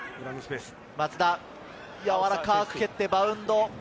松田、やわらかく蹴って、バウンド。